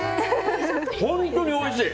本当においしい！